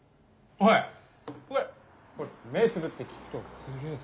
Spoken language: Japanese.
おいこれ目つぶって聞くとすげぇぞ。